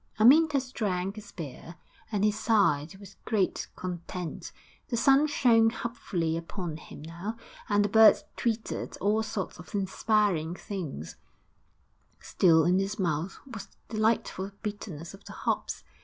Amyntas drank his beer, and he sighed with great content; the sun shone hopefully upon him now, and the birds twittered all sorts of inspiring things; still in his mouth was the delightful bitterness of the hops.